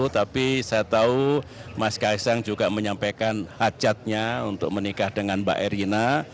tapi saya tahu mas kaisang juga menyampaikan hajatnya untuk menikah dengan mbak erina